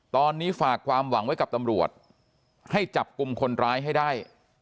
ตอนนี้ฝากความหวังไว้กับตำรวจให้จับกลุ่มคนร้ายให้ได้